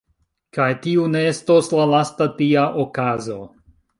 Kaj tiu ne estos la lasta tia okazo.